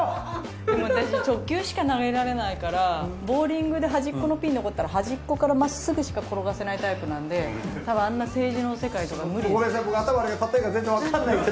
でも私直球しか投げられないからボウリングで端っこのピン残ったら端っこからまっすぐしか転がせないタイプなんでたぶんあんな政治の世界とか無理です。